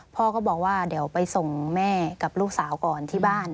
พ่อก็บอกว่าเดี๋ยวไปส่งแม่กับลูกสาวก่อนที่บ้าน